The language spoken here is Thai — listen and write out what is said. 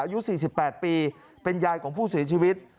อายุ๔๘ปีเป็นยายของผู้เสียชีวิต